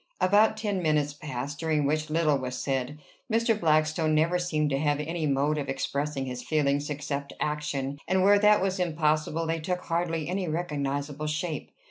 About ten minutes passed, during which little was said: Mr. Blackstone never seemed to have any mode of expressing his feelings except action, and where that was impossible they took hardly any recognizable shape.